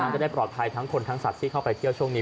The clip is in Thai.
จะได้ปลอดภัยทั้งคนทั้งสัตว์ที่เข้าไปเที่ยวช่วงนี้